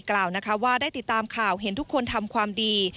กล่าวนะคะว่าได้ติดตามข่าวเห็นทุกคนทำความดี